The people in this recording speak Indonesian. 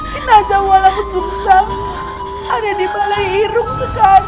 jenazah walang sungsang ada di balai irung sekarang